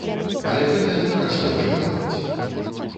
Але гэта ні пра што не гаворыць!